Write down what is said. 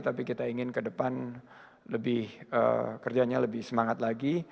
tapi kita ingin ke depan kerjanya lebih semangat lagi